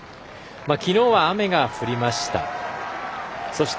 きのうは雨が降りました。